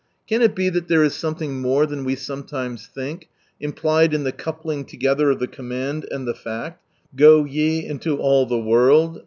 Can it be that there is something more than we sometimes think, impUed in the coupling together of the command, and the fact, —" Go ye into all the worid